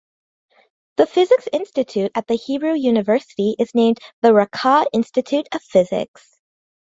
The physics institute at the Hebrew University is named "The Racah Institute of Physics".